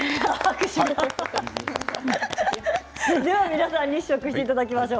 皆さんに試食していただきましょう。